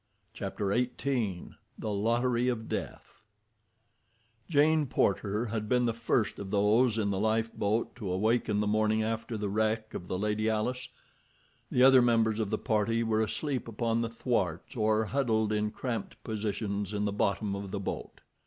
Chapter XVIII The Lottery of Death Jane Porter had been the first of those in the lifeboat to awaken the morning after the wreck of the Lady Alice. The other members of the party were asleep upon the thwarts or huddled in cramped positions in the bottom of the boat.